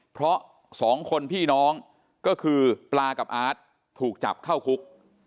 เพราะสองคนพี่น้องก็คือปลากับอาร์ตถูกจับเข้าคุก